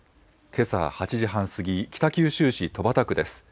けさ８時半過ぎ、北九州市戸畑区です。